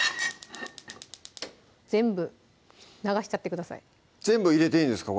全部流しちゃってください全部入れていいんですか？